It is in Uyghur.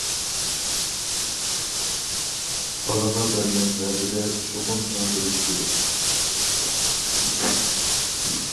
بالىغا بەرگەن ۋەدىدە چوقۇم چىڭ تۇرۇش كېرەك.